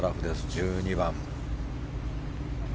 １２番。